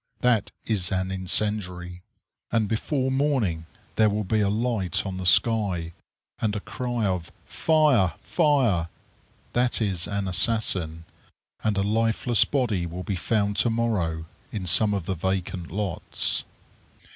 That is an incendiary; and before morning there will be a light on the sky, and a cry of "Fire! Fire!" That is an assassin; and a lifeless body will be found to morrow in some of the vacant lots.